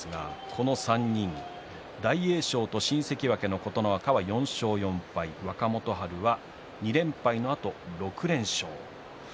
この３人大栄翔と新関脇の琴ノ若は４勝４敗若元春は２連敗のあと６連勝です。